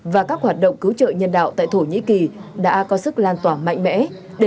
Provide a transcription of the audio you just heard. và các hoạt động cứu trợ nhân đạo tại thổ nhĩ kỳ đã có sức lan tỏa mạnh mẽ